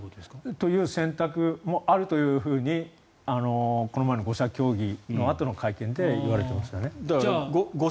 そういう選択もあるというふうにこの前の５者協議のあとの会見で言われていましたよね。